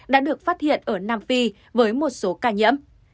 đã được phát hiện ở nam phi với một số ca nhiễm